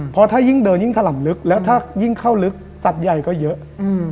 เพราะถ้ายิ่งเดินยิ่งถล่ำลึกแล้วถ้ายิ่งเข้าลึกสัตว์ใหญ่ก็เยอะ